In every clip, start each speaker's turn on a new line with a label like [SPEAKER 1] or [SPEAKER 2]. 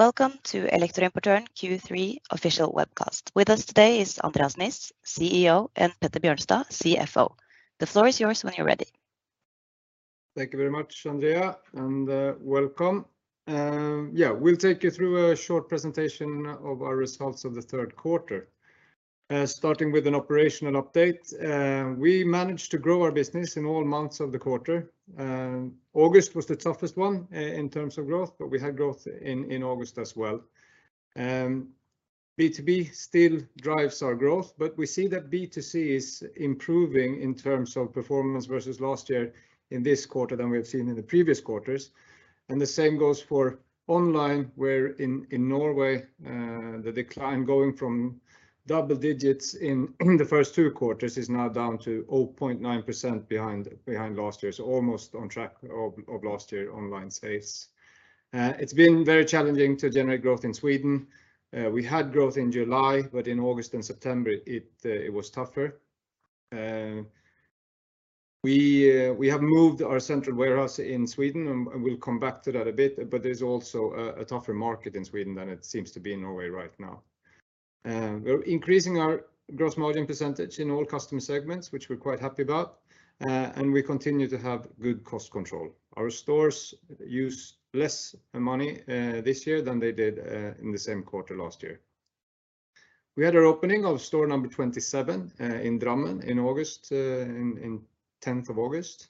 [SPEAKER 1] Welcome to Elektroimportøren Q3 Official Webcast. With us today is Andreas Niss, CEO, and Petter Bjørnstad, CFO. The floor is yours when you're ready.
[SPEAKER 2] Thank you very much, Andrea, and welcome. Yeah, we'll take you through a short presentation of our results of the Q3. Starting with an operational update, we managed to grow our business in all months of the quarter. August was the toughest one in terms of growth, but we had growth in August as well. B2B still drives our growth, but we see that B2C is improving in terms of performance versus last year in this quarter than we have seen in the previous quarters, and the same goes for online, where in Norway, the decline going from double-digits in the first two quarters is now down to 0.9% behind last year's, almost on track of last year online sales. It's been very challenging to generate growth in Sweden. We had growth in July, but in August and September, it was tougher. We have moved our central warehouse in Sweden, and we'll come back to that a bit, but there's also a tougher market in Sweden than it seems to be in Norway right now. We're increasing our gross margin percentage in all customer segments, which we're quite happy about, and we continue to have good cost control. Our stores use less money this year than they did in the same quarter last year. We had our opening of store number 27 in Drammen in August, in 10th of August.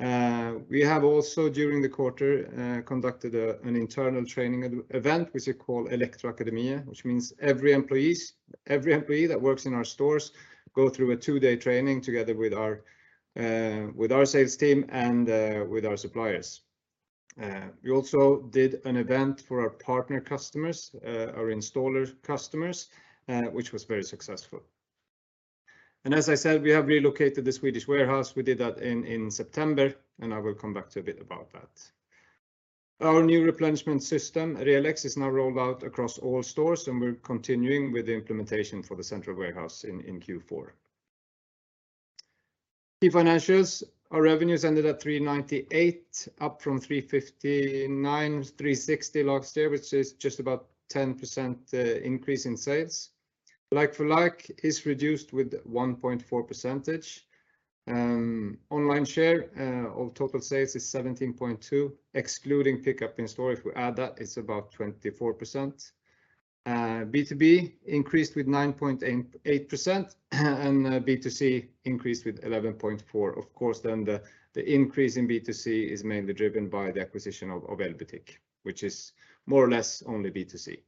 [SPEAKER 2] We have also during the quarter conducted an internal training event which we call Elektroakademiet, which means every employee that works in our stores go through a two-day training together with our with our sales team and with our suppliers. We also did an event for our partner customers, our installer customers, which was very successful. As I said, we have relocated the Swedish warehouse. We did that in September, and I will come back to a bit about that. Our new replenishment system, RELEX, is now rolled out across all stores, and we're continuing with the implementation for the central warehouse in Q4. Key financials, our revenues ended at 398, up from 359, 360 last year, which is just about 10% increase in sales. Like-for-like is reduced with 1.4%. Online share of total sales is 17.2%, excluding pickup in store. If we add that, it's about 24%. B2B increased with 9.8%, and B2C increased with 11.4%. Of course, the increase in B2C is mainly driven by the acquisition of Elbutik, which is more or less only B2C.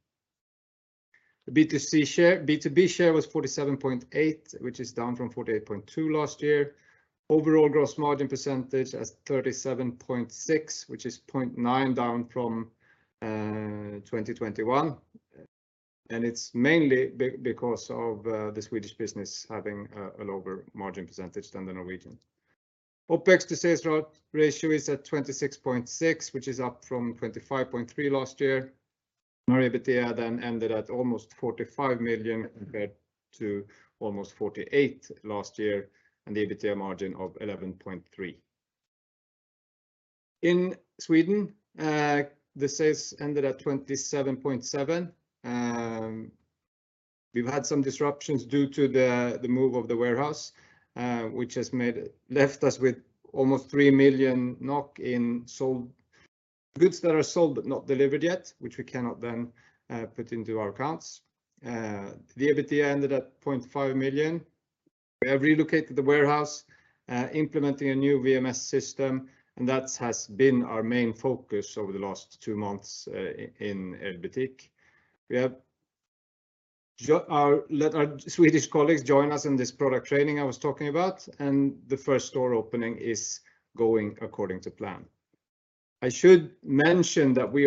[SPEAKER 2] B2B share was 47.8%, which is down from 48.2% last year. Overall gross margin percentage is 37.6%, which is 0.9 down from 2021, and it's mainly because of the Swedish business having a lower margin percentage than the Norwegian. OpEx to sales growth ratio is at 26.6%, which is up from 25.3% last year. Our EBITDA then ended at almost 45 million compared to almost 48 million last year, and the EBITDA margin of 11.3%. In Sweden, the sales ended at 27.7 million. We've had some disruptions due to the move of the warehouse, which has left us with almost 3 million NOK in sold goods that are sold but not delivered yet, which we cannot then put into our accounts. The EBITDA ended at 0.5 million. We have relocated the warehouse, implementing a new WMS system, and that has been our main focus over the last two months in Elbutik. We have let our Swedish colleagues join us in this product training I was talking about, and the first store opening is going according to plan. I should mention that we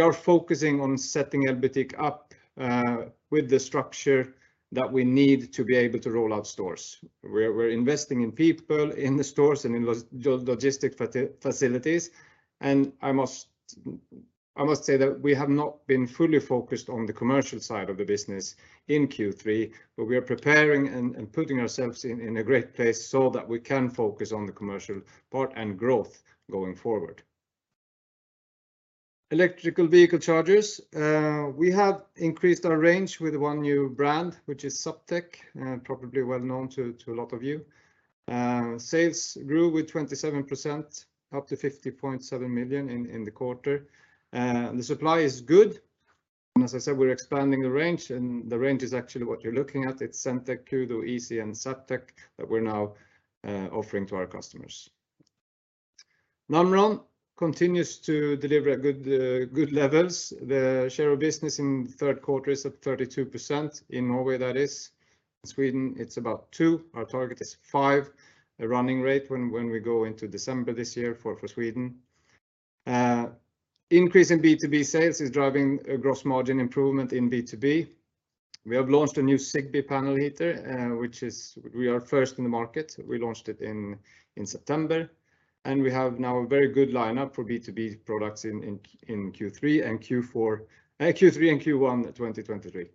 [SPEAKER 2] are focusing on setting Elbutik up with the structure that we need to be able to roll out stores. We're investing in people in the stores and in logistics facilities, and I must say that we have not been fully focused on the commercial side of the business in Q3, but we are preparing and putting ourselves in a great place so that we can focus on the commercial part and growth going forward. Electric vehicle chargers, we have increased our range with one new brand, which is Zaptec, probably well-known to a lot of you. Sales grew with 27%, up to 50.7 million in the quarter. The supply is good, and as I said, we're expanding the range, and the range is actually what you're looking at. It's Centek, Garo, Easee, and Zaptec that we're now offering to our customers. Namron continues to deliver good levels. The share of business in the Q3 is at 32%, in Norway that is. In Sweden it's about 2%. Our target is 5%, the running rate when we go into December this year for Sweden. Increase in B2B sales is driving a gross margin improvement in B2B. We have launched a new Zigbee panel heater, we are first in the market. We launched it in September, and we have now a very good lineup for B2B products in Q3 and Q4, Q3 and Q1 2023.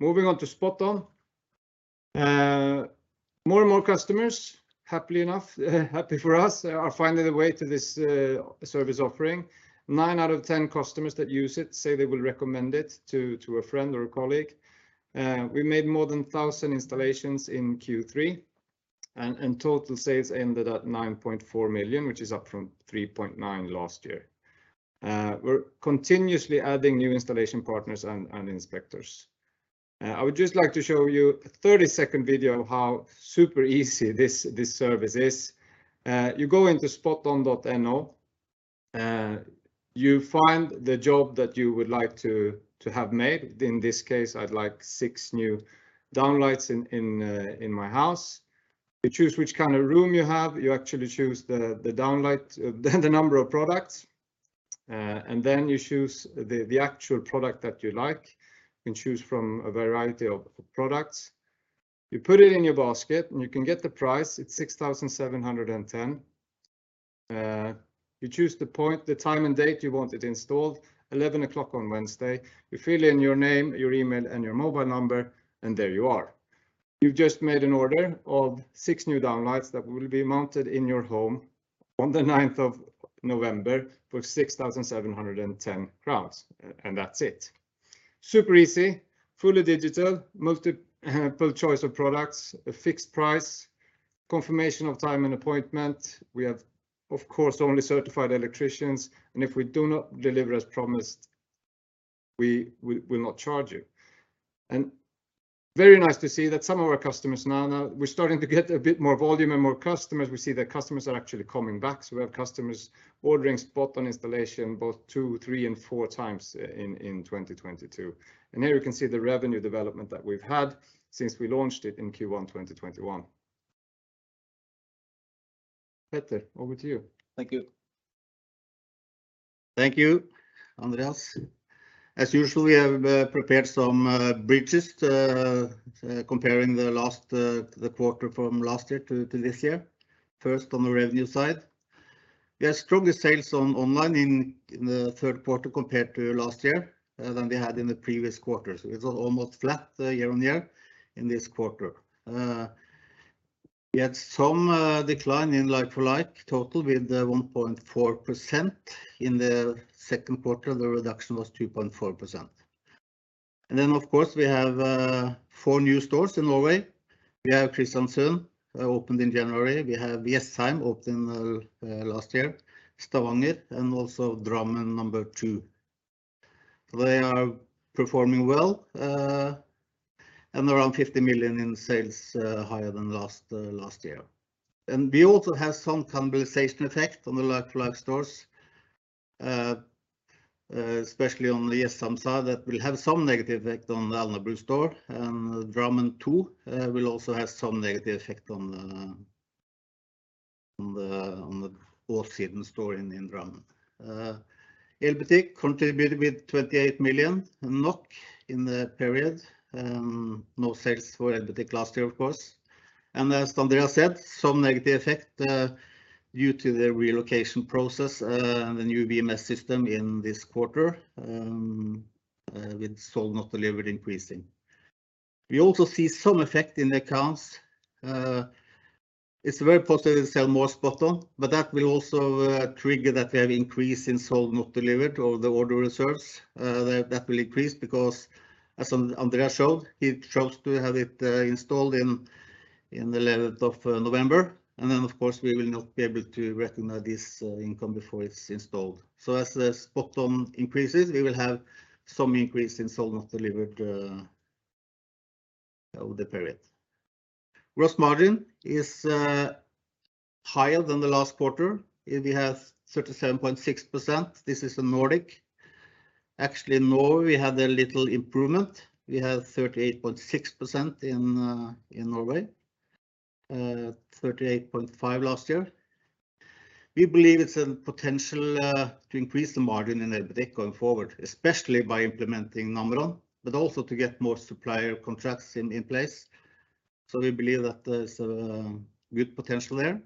[SPEAKER 2] Moving on to SpotOn. More and more customers, happily enough, are finding their way to this service offering. Nine out of 10 customers that use it say they will recommend it to a friend or a colleague. We made more than 1,000 installations in Q3, and total sales ended at 9.4 million, which is up from 3.9 million last year. We're continuously adding new installation partners and inspectors. I would just like to show you a 30-second video of how super easy this service is. You go into spoton.no. You find the job that you would like to have made. In this case, I'd like six new downlights in my house. You choose which kind of room you have. You actually choose the downlight, the number of products, and then you choose the actual product that you like. You can choose from a variety of products. You put it in your basket, and you can get the price. It's 6,710. You choose the appointment, the time, and date you want it installed, 11:00 on Wednesday. You fill in your name, your email, and your mobile number, and there you are. You've just made an order of six new downlights that will be mounted in your home on the ninth of November for 6,710 crowns, and that's it. Super easy, fully digital, multiple choice of products, a fixed price, confirmation of time and appointment. We have, of course, only certified electricians, and if we do not deliver as promised, we will not charge you. Very nice to see that some of our customers now know we're starting to get a bit more volume and more customers. We see that customers are actually coming back, so we have customers ordering SpotOn installation bought two, three, and four times in 2022. Here you can see the revenue development that we've had since we launched it in Q1 2021. Petter, over to you. Thank you.
[SPEAKER 3] Thank you, Andreas. As usual, we have prepared some bridges to comparing the quarter from last year to this year. First, on the revenue side, we have stronger sales online in the Q3 compared to last year than we had in the previous quarters, with almost flat year-on-year in this quarter. We had some decline in like-for-like total with 1.4%. In the Q2, the reduction was 2.4%. Of course, we have four new stores in Norway. We have Kristiansand opened in January. We have Jessheim, opened last year, Stavanger, and also Drammen number two. They are performing well and around 50 million in sales higher than last year. We also have some cannibalization effect on the like-for-like stores, especially on the Jessheim side that will have some negative effect on the Alnabru store. Drammen too will also have some negative effect on the Åssiden store in Drammen. Elbutik contributed with 28 million NOK in the period, no sales for Elbutik last year of course. As Andreas said, some negative effect due to the relocation process and the new WMS system in this quarter, with sold not delivered increasing. We also see some effect in the accounts. It's very positive to sell more SpotOn, but that will also trigger that we have increase in sold not delivered or the order reserves. That will increase because, as Andreas showed, he chose to have it installed in the eleventh of November. Of course, we will not be able to recognize this income before it's installed. As the SpotOn increases, we will have some increase in sold not delivered over the period. Gross margin is higher than the last quarter. We have 37.6%. This is the Nordic. Actually, in Norway, we had a little improvement. We have 38.6% in Norway, 38.5% last year. We believe it's a potential to increase the margin in Elbutik going forward, especially by implementing Namron, but also to get more supplier contracts in place, so we believe that there's good potential there.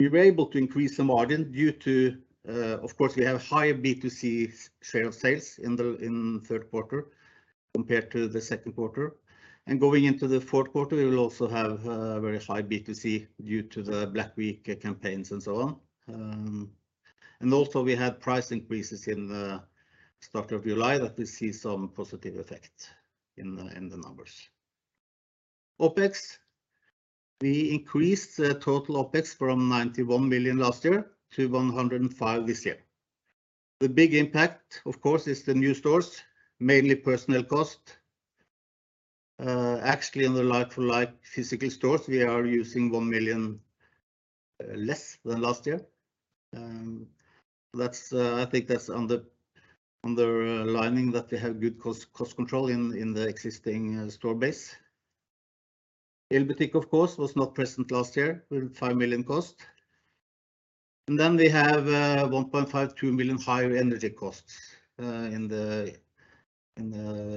[SPEAKER 3] We were able to increase the margin due to, of course, we have higher B2C sales in the Q3 compared to the Q2. Going into the Q4, we will also have very high B2C due to the Black Week campaigns and so on. We had price increases at the start of July that we see some positive effect in the numbers. OpEx, we increased the total OpEx from 91 million last year to 105 million this year. The big impact, of course, is the new stores, mainly personnel cost. Actually, in the like-for-like physical stores, we are using 1 million less than last year. I think that's on the right lines that we have good cost control in the existing store base. Elbutik, of course, was not present last year with 5 million cost. We have 1.52 million higher energy costs in the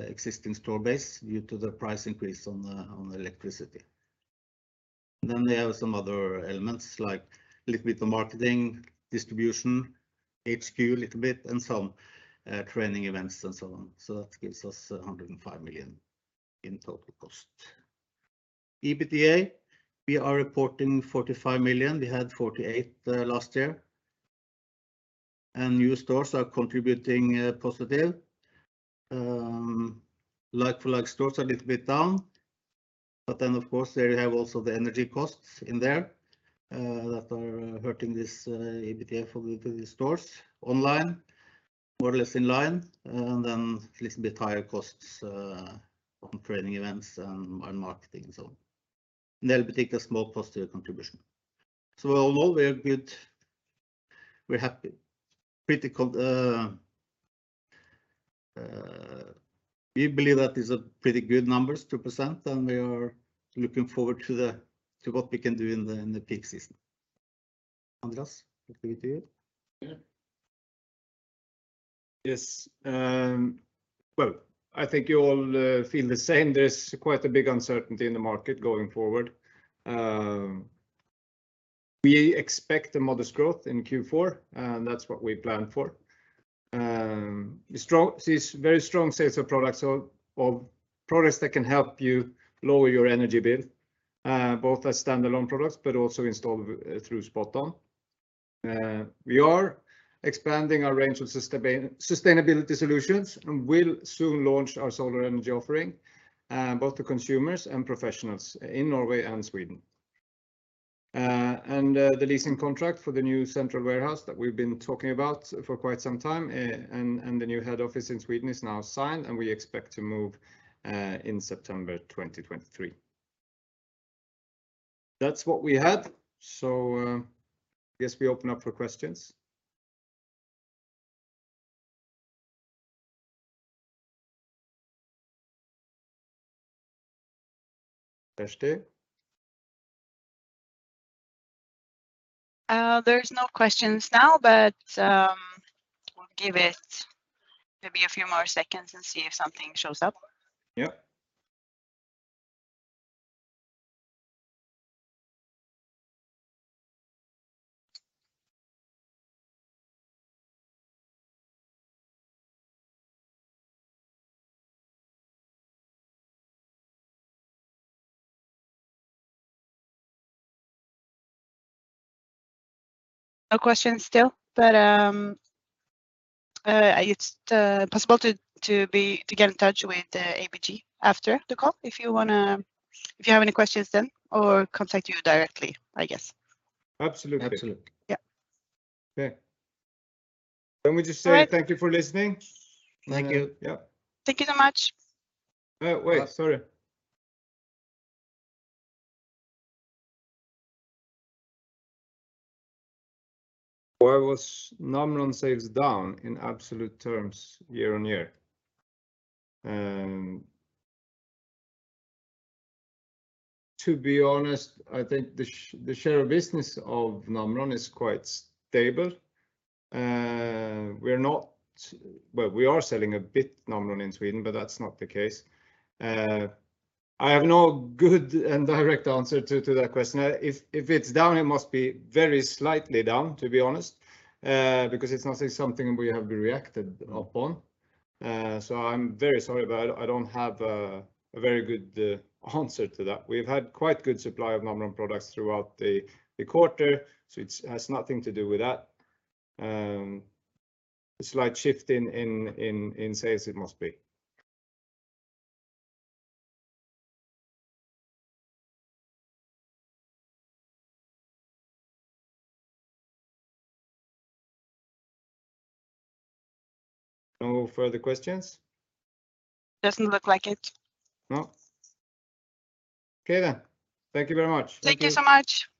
[SPEAKER 3] existing store base due to the price increase on electricity. We have some other elements, like a little bit of marketing, distribution, HQ a little bit, and some training events and so on. That gives us 105 million in total cost. EBITDA, we are reporting 45 million. We had 48 million last year, and new stores are contributing positive. Like-for-like stores are a little bit down, but of course, they have also the energy costs in there that are hurting this EBITDA for the stores. Online, more or less in line, and a little bit higher costs on training events and on marketing and so on. Net of tax, a small positive contribution. Although we are good, we're happy. We believe that is a pretty good numbers to present, and we are looking forward to what we can do in the peak season. Andreas, over to you.
[SPEAKER 2] Yeah. Yes. Well, I think you all feel the same. There's quite a big uncertainty in the market going forward. We expect a modest growth in Q4, and that's what we plan for. We see very strong sales of products, so of products that can help you lower your energy bill, both as standalone products but also installed through SpotOn. We are expanding our range of sustainability solutions and will soon launch our solar energy offering, both to consumers and professionals in Norway and Sweden. The leasing contract for the new central warehouse that we've been talking about for quite some time and the new head office in Sweden is now signed, and we expect to move in September 2023. That's what we had, so I guess we open up for questions.
[SPEAKER 3] Kjersti?
[SPEAKER 4] There's no questions now, but we'll give it maybe a few more seconds and see if something shows up.
[SPEAKER 2] Yep.
[SPEAKER 4] No questions still, but it's possible to get in touch with ABG after the call if you have any questions then, or contact you directly, I guess.
[SPEAKER 2] Absolutely.
[SPEAKER 3] Absolutely.
[SPEAKER 4] Yep.
[SPEAKER 2] Okay. We just say.
[SPEAKER 4] All right.
[SPEAKER 2] Thank you for listening.
[SPEAKER 3] Thank you.
[SPEAKER 2] Yep.
[SPEAKER 4] Thank you so much.
[SPEAKER 2] Wait. Sorry. Why was Namron sales down in absolute terms year-over-year? To be honest, I think the share of business of Namron is quite stable. Well, we are selling a bit Namron in Sweden, but that's not the case. I have no good and direct answer to that question. If it's down, it must be very slightly down, to be honest, because it's not something we have reacted upon. I'm very sorry, but I don't have a very good answer to that. We've had quite good supply of Namron products throughout the quarter, so it has nothing to do with that. A slight shift in sales it must be. No further questions?
[SPEAKER 4] Doesn't look like it.
[SPEAKER 2] No? Okay then. Thank you very much.
[SPEAKER 4] Thank you so much.
[SPEAKER 3] Thank you.